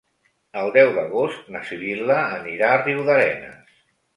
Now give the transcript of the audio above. El deu d'agost na Sibil·la anirà a Riudarenes.